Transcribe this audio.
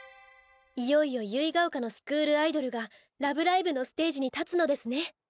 いよいよ結ヶ丘のスクールアイドルが「ラブライブ！」のステージに立つのですね。